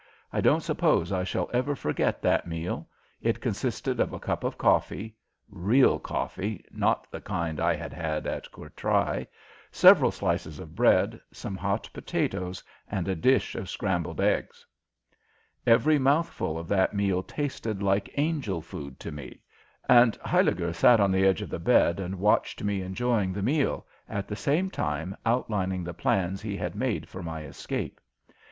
I don't suppose I shall ever forget that meal. It consisted of a cup of coffee real coffee, not the kind I had had at Courtrai several slices of bread, some hot potatoes, and a dish of scrambled eggs. Every mouthful of that meal tasted like angel food to me, and Huyliger sat on the edge of the bed and watched me enjoying the meal, at the same time outlining the plans he had made for my escape.